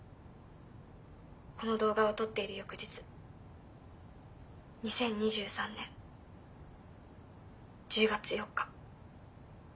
この動画を撮っている翌日２０２３年１０月４日。